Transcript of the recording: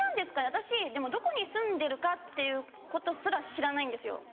私どこに住んでるかっていうことすら知らないんですよ。